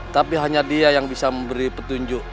tapi hanya dia yang bisa memberi petunjuk